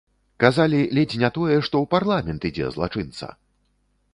Казалі ледзь не тое, што ў парламент ідзе злачынца!